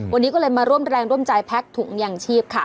วันนี้ก็เลยมาร่วมแรงร่วมใจแพ็กถุงยางชีพค่ะ